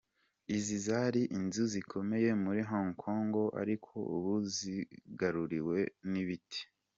Izi zari inzu zikomeye muri Hong Kong ariko ubu zigaruriwe n'ibiti.